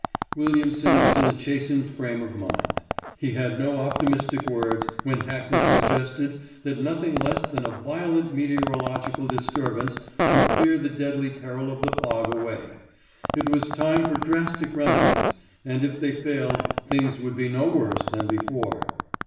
Williamson was in a chastened frame of mind. He had no optimistic words when Hackness suggested that nothing less than a violent meteorological disturbance would clear the deadly peril of the fog away. It was time for drastic remedies, and if they failed things would be no worse than before.